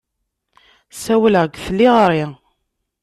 Ssawleɣ deg tliɣri.